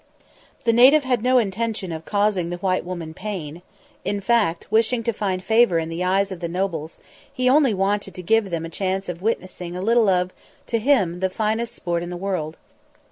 The native had no intention of causing the white woman pain; in fact, wishing to find favour in the eyes of the nobles, he only wanted to give them a chance of witnessing a little of, to him, the finest sport in the world.